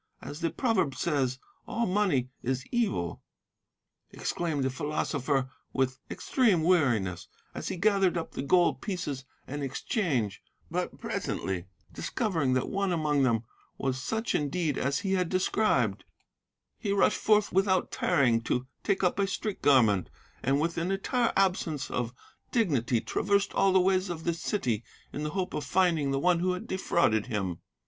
As the proverb says, "'All money is evil,' exclaimed the philosopher with extreme weariness, as he gathered up the gold pieces in exchange, but presently discovering that one among them was such indeed as he had described, he rushed forth without tarrying to take up a street garment; and with an entire absence of dignity traversed all the ways of the city in the hope of finding the one who had defrauded him."